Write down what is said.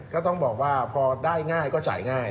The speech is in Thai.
ก็ต้องบอกว่าพอได้ง่ายก็จ่ายง่าย